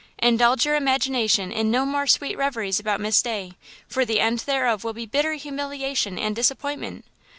Indulge your imagination in no more sweet reveries about Miss Day, for the end thereof will be bitter humiliation and disappointment.